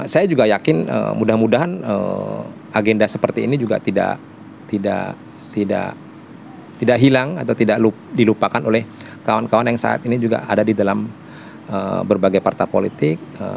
saya juga yakin mudah mudahan agenda seperti ini juga tidak hilang atau tidak dilupakan oleh kawan kawan yang saat ini juga ada di dalam berbagai partai politik